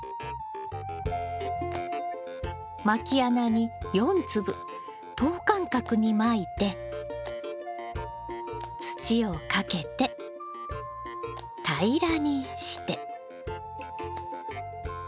まき穴に４粒等間隔にまいて土をかけて平らにして。